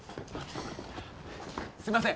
すいません